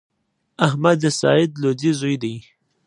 احمد د سعید لودی زوی دﺉ.